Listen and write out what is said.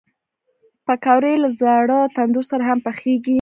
پکورې له زاړه تندور سره هم پخېږي